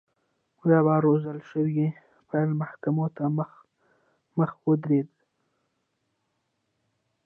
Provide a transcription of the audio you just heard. بیا به روزل شوی پیل محکوم ته مخامخ ودرېد.